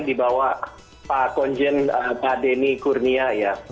dibawah pak konjen pak denny kurnia